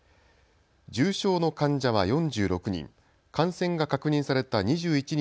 重症の患者は４６人。